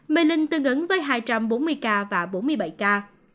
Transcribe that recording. mê linh tương ứng với hai trăm bốn mươi ca và bốn mươi bảy ca